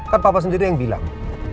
kan papa sendiri yang bilang